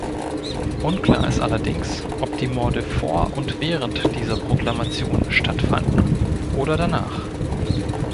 Unklar ist allerdings, ob die Morde vor und während dieser Proklamation stattfanden oder danach.